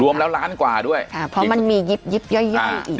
รวมแล้วล้านกว่าด้วยค่ะเพราะมันมียิบยิบย่อยย่อยอีก